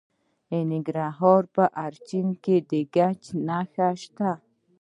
د ننګرهار په اچین کې د ګچ نښې شته.